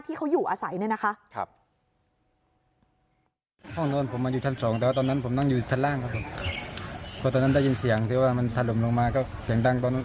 ที่เขาอยู่อาศัยเนี่ยนะคะ